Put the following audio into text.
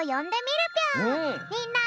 みんな！